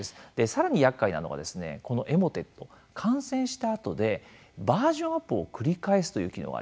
さらにやっかいなのがこのエモテット感染したあとでバージョンアップを繰り返すという機能があります。